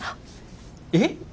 えっ？